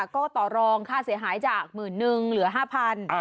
ก็ต่อรองค่าเสียหายจากหมื่นนึงเหลือ๕๐๐บาท